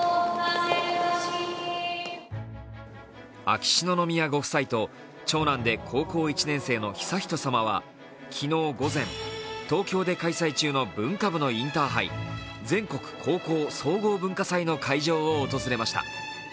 秋篠宮ご夫妻と長男で高校１年生の悠仁さまは昨日午前、東京で開催中の文化部のインターハイ、全国高校総合文化祭の会場を訪れました。